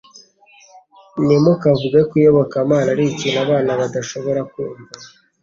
Ntimukavuge ko Iyobokamana ari ikintu abana badashobora kumva,